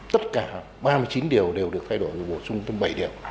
tất cả ba mươi chín điều đều được thay đổi bổ sung thêm bảy điều